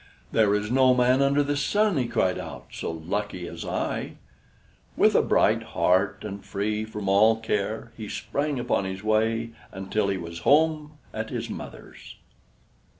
"There is no man under the sun," he cried out, "so lucky as I." With a bright heart and free from all care, he sprang upon his way, until he was home at his mother's.